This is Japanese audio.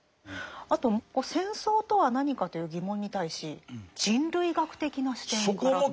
あと「戦争とは何か？という疑問に対し人類学的な視点から」。